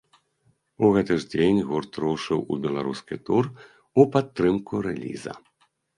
У гэты ж дзень гурт рушыў у беларускі тур у падтрымку рэліза.